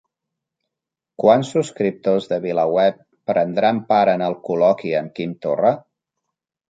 Quants subscriptors de VilaWeb prendran part en el col·loqui amb Quim Torra?